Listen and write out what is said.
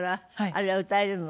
あれは歌えるの？